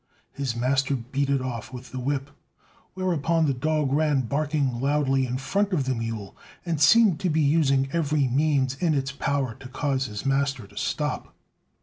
His master beat it off with the whip; whereupon the dog ran barking loudly in front of the mule, and seemed to be using every means in its power to cause his master to stop.